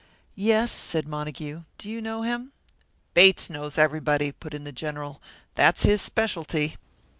"Yes," said Montague. "Do you know him?" "Bates knows everybody," put in the General; "that's his specialty."